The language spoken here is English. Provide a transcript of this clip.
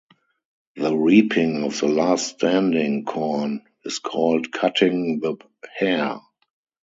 The reaping of the last standing corn is called "cutting the hare."